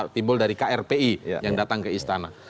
timbul dari krpi yang datang ke istana